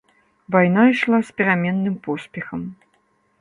Вайна ішла з пераменным поспехам.